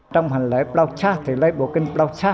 trong hành lễ thì lấy bộ kinh